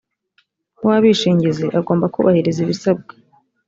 w abishingizi agomba kubahiriza ibisabwa